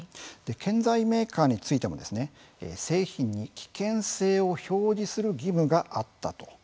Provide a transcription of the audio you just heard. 建材メーカーについても製品に危険性を表示する義務があったと。